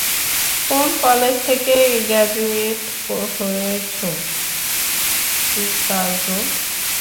কোন কলেজ থেকে গ্রাজুয়েট হয়েছো, রিকার্ডো?